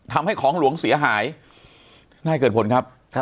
ทำให้ของหลวงเสียหายนายเกิดผลครับ